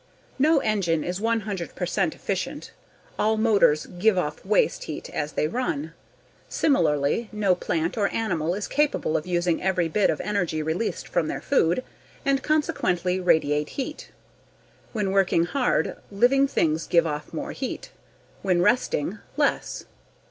No engine is one hundred percent efficient. All motors give off waste heat as they run. Similarly, no plant or animal is capable of using every bit of energy released from their food, and consequently radiate heat. When working hard, living things give off more heat; when resting, less.